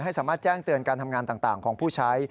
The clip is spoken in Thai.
สามารถแจ้งเตือนการทำงานต่างของผู้ใช้